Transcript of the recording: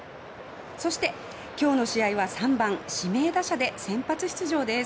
そして今日の試合は３番指名打者で先発出場です。